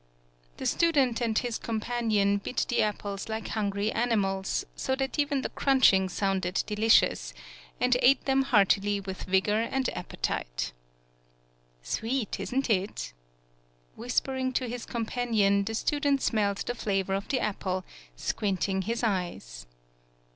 The student and his companion bit the apples like hungry animals, so that even the crunching sounded delicious, and ate them heartily with vigor and ap petite. "Sweet! Isn't it?" Whispering to his companion, the student smelfed the flavor of the apple, squinting his eyes.